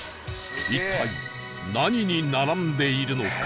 一体何に並んでいるのか？